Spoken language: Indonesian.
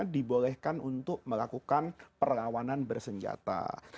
dibolehkan untuk melakukan perlawanan bersenjata